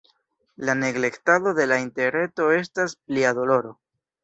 La neglektado de la interreto estas plia doloro.